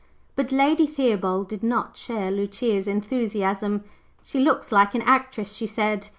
But Lady Theobald did not share Lucia's enthusiasm. "She looks like an actress," she said.